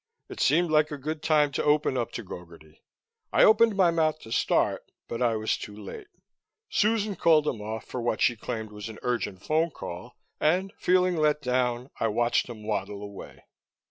It seemed like a good time to open up to Gogarty; I opened my mouth to start, but I was too late. Susan called him off for what she claimed was an urgent phone call and, feeling let down, I watched him waddle away.